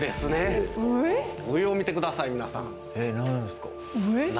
上を見てください皆さん。